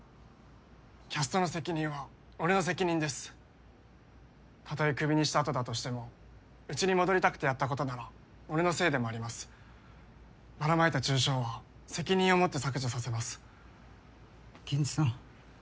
キャストの責任は俺の責任ですたとえクビにしたあとだとしてもうちに戻りたくてやったことなら俺のせいでもありますばらまいた中傷は責任を持って削除させますゲンジさん